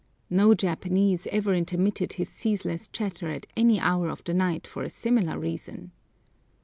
No Japanese ever intermitted his ceaseless chatter at any hour of the night for a similar reason.